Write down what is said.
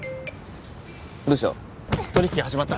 どうした？